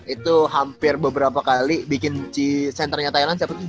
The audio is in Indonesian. itu hampir beberapa kali bikin centernya thailand siapa tuh